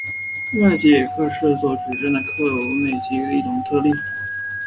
外积也可视作是矩阵的克罗内克积的一种特例。